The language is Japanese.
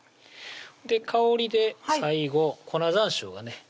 香りで最後粉山椒がね